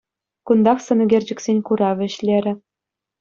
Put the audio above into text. Кунтах сӑнӳкерчӗксен куравӗ ӗҫлерӗ.